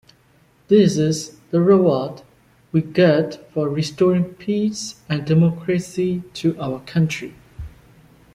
This is the reward we get for restoring peace and democracy to our country.